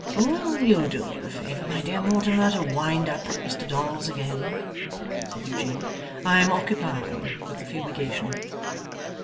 'Will you do me the favour, my dear Mortimer, to wind up Mr Dolls again?' said Eugene. 'I am occupied with the fumigation.